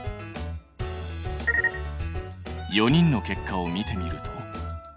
４人の結果を見てみると。